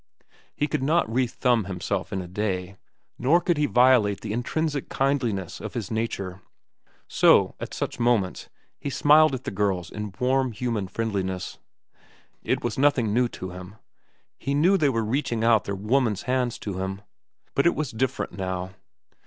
He could not re thumb himself in a day, nor could he violate the intrinsic kindliness of his nature; so, at such moments, he smiled at the girls in warm human friendliness. It was nothing new to him. He knew they were reaching out their woman's hands to him. But it was different now.